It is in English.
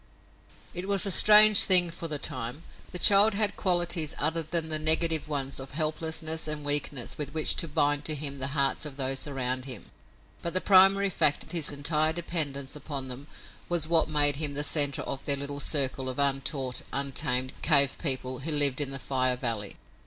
It was a strange thing for the time. The child had qualities other than the negative ones of helplessness and weakness with which to bind to him the hearts of those around him, but the primary fact of his entire dependence upon them was what made him the center of the little circle of untaught, untamed cave people who lived in the Fire Valley.